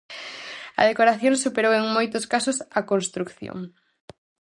A decoración superou en moitos casos a construción.